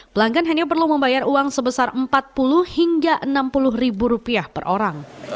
pelanggan hanya perlu membayar uang sebesar empat puluh hingga enam puluh ribu rupiah per orang